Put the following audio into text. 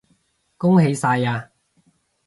恭喜晒呀